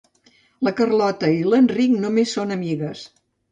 La Carlota i l'Enric només són amigues.